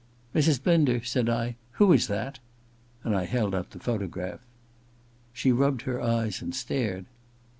* Mrs. Blinder,' said I, * who is that ?' And I held out the photograph. She rubbed her eyes and stared.